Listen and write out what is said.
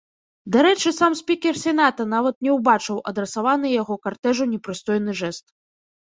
Дарэчы, сам спікер сената нават не ўбачыў адрасаваны яго картэжу непрыстойны жэст.